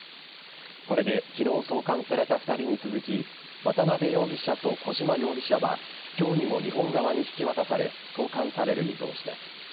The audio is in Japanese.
これで昨日、送還された２人に続き渡辺容疑者と小島容疑者は今日にも日本側に引き渡され送還される見通しです。